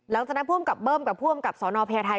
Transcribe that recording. แล้วตอนนั้นผู้อำกับเบิ้มกับผู้อำกับสอนอพยาไทย